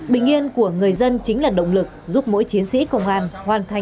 bình yên của người dân chính là động lực giúp mỗi chiến sĩ công an hoàn thành tốt nhiệm vụ